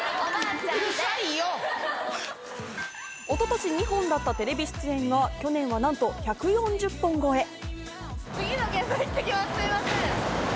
一昨年、２本だったテレビ出演が去年はなんと１４０本超え。